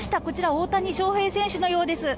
大谷翔平選手のようです。